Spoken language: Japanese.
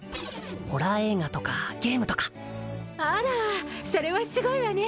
ホラー映画とかゲームとかあらそれはすごいわね